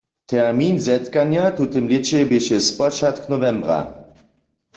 Termin zetkanja w tutym lěće běše spočatk nowembra.